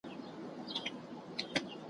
له کارونو یې وه ستړي اندامونه ,